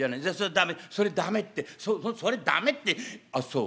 駄目それ駄目ってそれ駄目って。